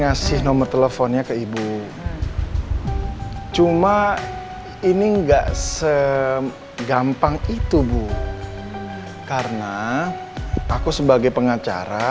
ngasih nomor teleponnya ke ibu cuma ini enggak segampang itu bu karena aku sebagai pengacara